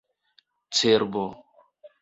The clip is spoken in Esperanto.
cerbo